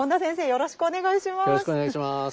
よろしくお願いします。